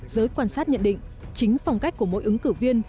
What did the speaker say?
giới quan sát nhận định chính phong cách của mỗi ứng cử viên